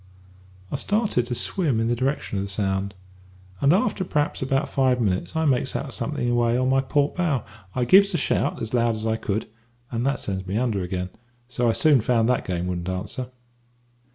"I started to swim in the direction of the sound, and after perhaps about five minutes I makes out something away on my port bow. I gives a shout as loud as I could, and that sends me under again; so I soon found that game wouldn't answer.